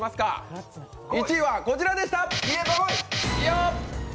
１位はこちらでした。